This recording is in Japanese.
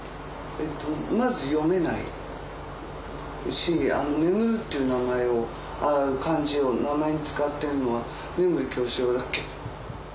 えっとまず読めないし眠るっていう名前を漢字を名前に使ってんのは眠狂四郎だけ。